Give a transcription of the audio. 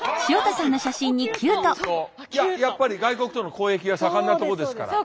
いややっぱり外国との交易が盛んなとこですから。